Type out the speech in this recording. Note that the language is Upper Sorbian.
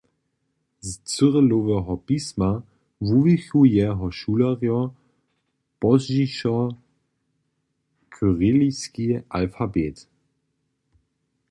Z Cyriloweho pisma wuwichu jeho šulerjo pozdźišo kyriliski alfabet.